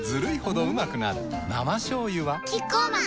生しょうゆはキッコーマン